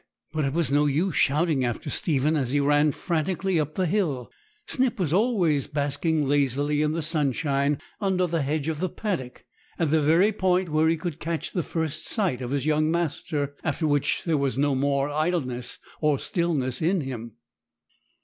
But it was no use shouting after Stephen, as he ran frantically up the hill. Snip was always basking lazily in the sunshine under the hedge of the paddock, at the very point where he could catch the first sight of his young master, after which there was no more idleness or stillness in him.